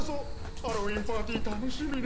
ハロウィーンパーティー楽しみね！